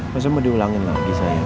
masih mau diulangin lagi sayang